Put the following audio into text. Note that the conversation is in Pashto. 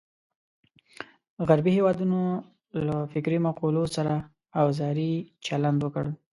غربي هېوادونو له فکري مقولو سره اوزاري چلند وکړ.